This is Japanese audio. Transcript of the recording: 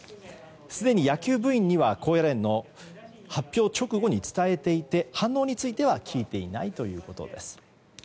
すでに野球部員には高野連の発表直後に伝えていて、反応については聞いていないということです。